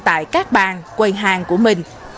tại các bàn quầy hàng của mình